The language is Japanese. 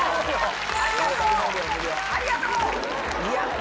ありがとう！